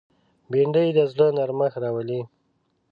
بېنډۍ د زړه نرمښت راولي